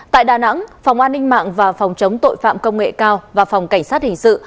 tại đà nẵng phòng an ninh mạng và phòng chống tội phạm công nghệ cao và phòng cảnh sát hình sự